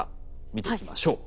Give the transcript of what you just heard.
見ていきましょう。